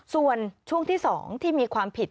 ส่วนช่วงที่๒ที่มีความผิด